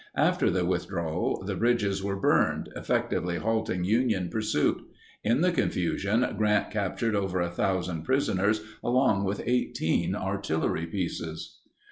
After the withdrawal, the bridges were burned, effectively halting Union pursuit. In the confusion, Grant captured over 1,000 prisoners along with 18 artillery pieces.